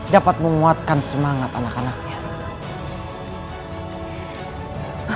dapat menguatkan semangat anak anaknya